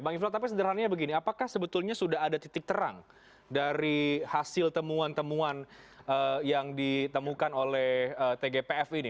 bang ifla tapi sederhananya begini apakah sebetulnya sudah ada titik terang dari hasil temuan temuan yang ditemukan oleh tgpf ini